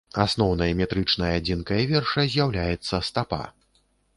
Асноўнай метрычнай адзінкай верша з'яўляецца стапа.